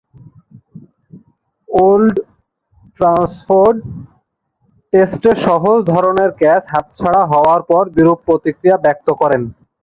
Old Trafford টেস্টে সহজ ধরনের ক্যাচ হাতছাড়া হবার পর বিরূপ প্রতিক্রিয়া ব্যক্ত করেন।